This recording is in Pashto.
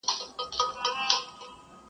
محتسب به له قمچیني سره ښخ وي-